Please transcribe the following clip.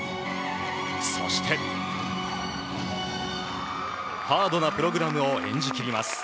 そしてハードなプログラムを演じ切ります。